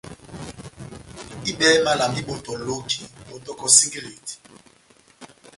Ehɨbɛwɛ mala má ibɔ́tɔ loki, bɔ́tɔkɔ singileti.